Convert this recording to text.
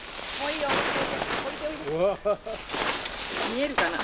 見えるかな？